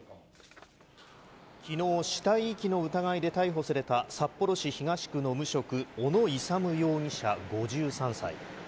きのう、死体遺棄の疑いで逮捕された、札幌市東区の無職、小野勇容疑者５３歳。